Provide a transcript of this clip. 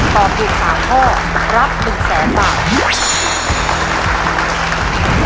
ตอบถูก๓ข้อรับ๑๐๐๐๐๐๐บาท